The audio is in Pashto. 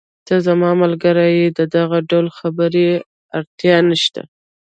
ته زما ملګری یې، د دغه ډول خبرو اړتیا نشته.